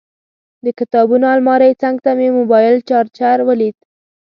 د کتابونو المارۍ څنګ ته مې موبایل چارجر ولید.